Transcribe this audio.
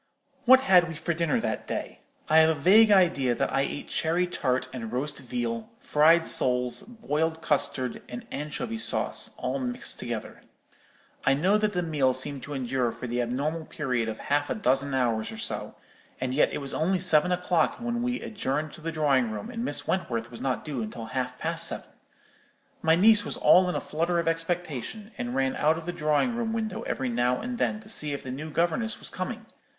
"What had we for dinner that day? I have a vague idea that I ate cherry tart and roast veal, fried soles, boiled custard, and anchovy sauce, all mixed together. I know that the meal seemed to endure for the abnormal period of half a dozen hours or so; and yet it was only seven o'clock when we adjourned to the drawing room, and Miss Wentworth was not due until half past seven. My niece was all in a flutter of expectation, and ran out of the drawing room window every now and then to see if the new governess was coming.